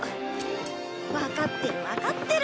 わかってるわかってる。